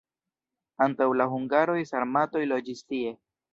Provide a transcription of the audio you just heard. Antaŭ la hungaroj sarmatoj loĝis tie.